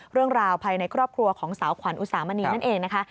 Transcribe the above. เรื่องราวภายในครอบครัวของสาวขวัญอุสามณีนั่นเองนะคะ